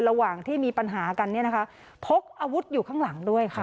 ระหว่างที่มีปัญหากันเนี่ยนะคะพกอาวุธอยู่ข้างหลังด้วยค่ะ